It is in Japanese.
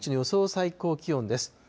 最高気温です。